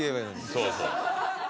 そうそう。